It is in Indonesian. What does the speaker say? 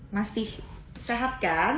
masih sehat kan